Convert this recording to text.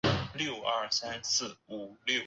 第八届城运会转型为第一届青年运动会。